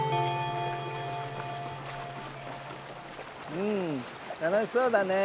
うんたのしそうだね。